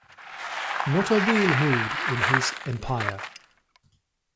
Not a wheel moved in his empire.